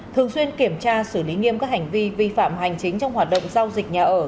thường xuyên kiểm tra xử lý nghiêm các hành vi vi phạm hành chính trong hoạt động giao dịch nhà ở